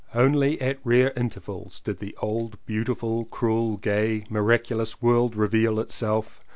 Only at rare intervals did the old beauti ful, cruel, gay, miraculous world reveal itself.